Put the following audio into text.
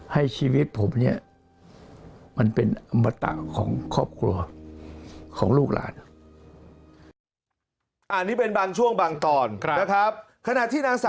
ให้ชีวิตผมเนี่ยมันเป็นอมตะของครอบครัวของลูกหลาน